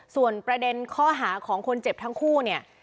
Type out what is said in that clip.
ส่วนประเด็นข้อหาของคนเจ็บทั้งคู่เนี่ย